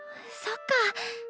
そっか。